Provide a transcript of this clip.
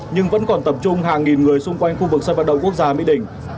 nhưng vẫn còn tập trung hàng nghìn người xung quanh khu vực sân vận động quốc gia mỹ đình